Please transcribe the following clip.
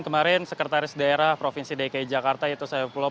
kemarin sekretaris daerah provinsi dki jakarta yaitu saifullah